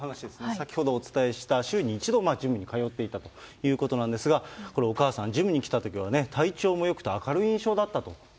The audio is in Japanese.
先ほどお伝えした、週に１度ジムに通っていたということなんですが、これ、お母さん、ジムに来たときは体調もよくて明るい印象だったと。